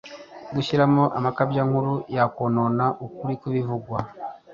gushyiramo amakabyankuru yakonona ukuri kw’ibivugwa.